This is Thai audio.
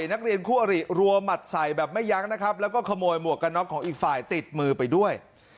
นักเรียนคู่อริรัวหมัดใส่แบบไม่ยั้งนะครับแล้วก็ขโมยหมวกกันน็อกของอีกฝ่ายติดมือไปด้วย